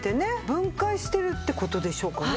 分解してるって事でしょうかね？